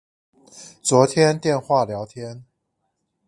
昨天電話聊天